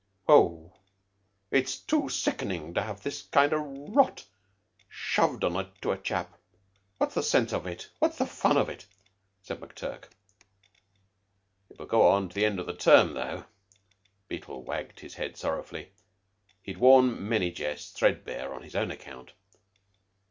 "Oh, it's too sickening to have this kind o' rot shoved on to a chap. What's the sense of it? What's the fun of it?" said McTurk. "It will go on to the end of the term, though," Beetle wagged his head sorrowfully. He had worn many jests threadbare on his own account.